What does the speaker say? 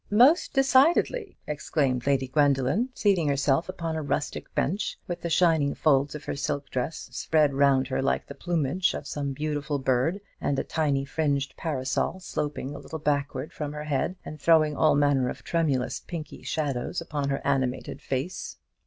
"Most decidedly," exclaimed Lady Gwendoline, seating herself upon a rustic bench, with the shining folds of her silk dress spread round her like the plumage of some beautiful bird, and a tiny fringed parasol sloping a little backward from her head, and throwing all manner of tremulous pinky shadows upon her animated face.